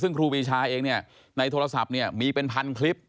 ซึ่งครูปีชาเองเนี่ยในโทรศัพท์เนี่ยมีเป็นพันคลิป